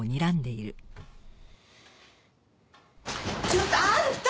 ちょっとあんた！